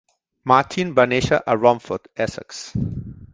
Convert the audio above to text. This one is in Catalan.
Martin va néixer a Romford, Essex.